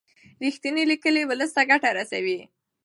رښتینې لیکنې ولس ته ګټه رسوي.